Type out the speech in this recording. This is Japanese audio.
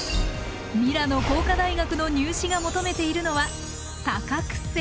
ミラノ工科大学の入試が求めているのは多角性。